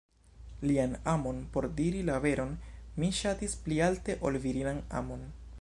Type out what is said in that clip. Lian amon por diri la veron mi ŝatis pli alte, ol virinan amon.